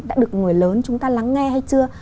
đã được người lớn chúng ta lắng nghe hay chưa